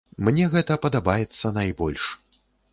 Мне гэта падабаецца найбольш.